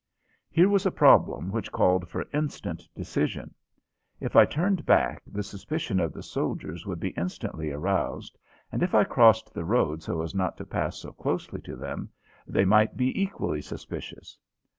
Here was a problem which called for instant decision. If I turned back, the suspicion of the soldiers would be instantly aroused, and if I crossed the road so as not to pass so closely to them, they might be equally suspicious.